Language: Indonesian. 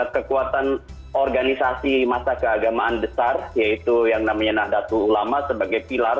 kekuatan organisasi masa keagamaan besar yaitu yang namanya nahdlatul ulama sebagai pilar